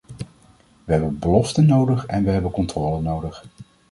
We hebben beloften nodig en we hebben controle nodig.